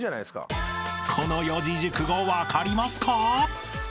［この四字熟語分かりますか？］